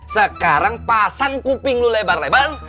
sekarang pasang kuping lu lebar lebar